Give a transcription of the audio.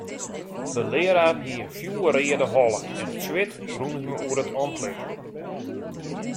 De learaar hie in fjoerreade holle en it swit rûn him oer it antlit.